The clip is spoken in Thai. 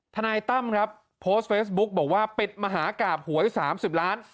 ทนายตั้มครับโพสต์เฟซบุ๊กบอกว่าปิดมหากราบหวย๓๐ล้าน